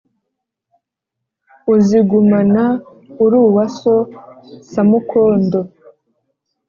Uzigumana uri uwa so Samukondo